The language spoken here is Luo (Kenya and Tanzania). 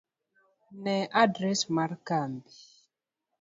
ne adres mar kambi.